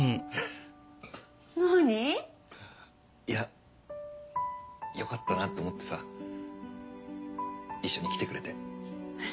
いやよかったなと思ってさ一緒に来てくれて。